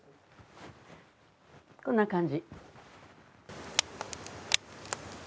こんな感じ。